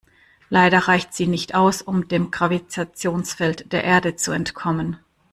Leider reicht sie nicht aus, um dem Gravitationsfeld der Erde zu entkommen.